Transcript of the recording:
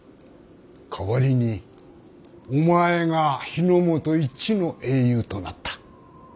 代わりにお前が日本一の英雄となった。